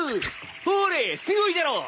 ほれすごいじゃろ？